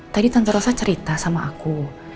tadi tante rosa cerita sama aku